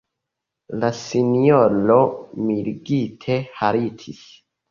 La sinjoro mirigite haltis.